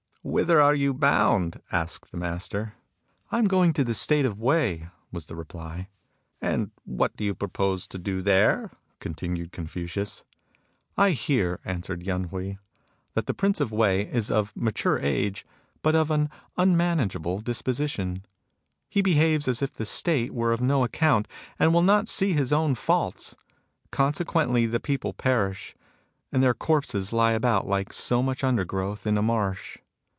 " Whither are you bound ?" asked the master. " I am going to the State of Wei," was the reply. " And what do you propose to do there ?" continued Confucius. " I hear," answered Yen Hui, " that the Prince of Wei is of mature age, but of an unmanageable disposition. He behaves as if the State were of no account, and will not see his own faults. Consequently, the people perish ; and their corpses lie about like so much undergrowth in a marsh.